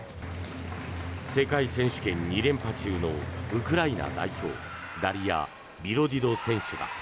世界選手権２連覇中のウクライナ代表ダリア・ビロディド選手だ。